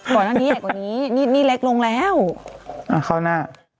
โหนั่นนี้แหลกกว่านี้